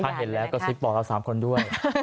ถ้าเห็นแล้วก็ซิบบอกเรา๓คนด้วย